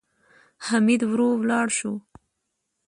حميد ورو ولاړ شو.